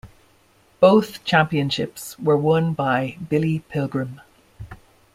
Both championships were won by Billy Pilgrim.